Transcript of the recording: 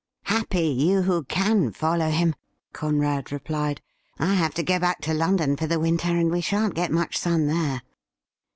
' Happy you who can follow him !' Conrad replied. ' I have to go back to London for the winter, and we shan't get much sun there.'